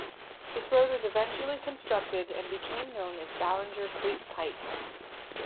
This road was eventually constructed and became known as Ballenger Creek Pike.